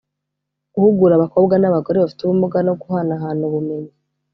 guhugura abakobwa n’abagore bafite ubumuga no guhanahana ubumenyi